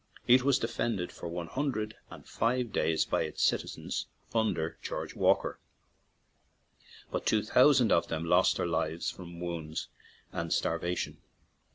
It was defended for one hundred and five days by its citizens under George Walker, but two thousand of them lost their lives from wounds and starvation.